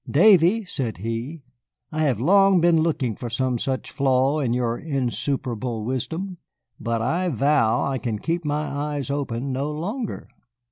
"Davy," said he, "I have long been looking for some such flaw in your insuperable wisdom. But I vow I can keep my eyes open no longer.